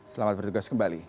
selamat bertugas kembali